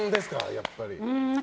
やっぱり。